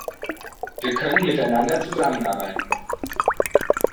Wir können miteinander zusammenarbeiten.